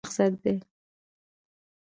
پیسی په ژوند کی ضرورت دی، او د اللهﷻ رضا مقصد دی.